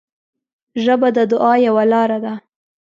ژبه د دعا یوه لاره ده